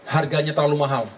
harganya terlalu mahal